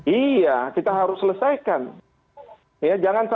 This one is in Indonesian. iya kita harus selesaikan